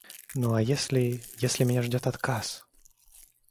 Ну, а если, если меня ждет отказ?...